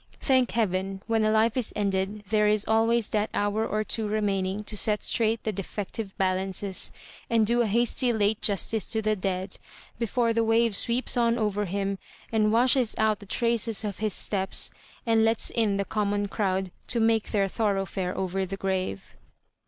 Thank heaven, when a life is ended there is always that hour or two remaining to set straight the defective balances, and do a hasty late justice to the dead, before the wave sweeps on over him and washes out the traces of his steps, and lets in the common crowd to make their thorough&re over tiie grave.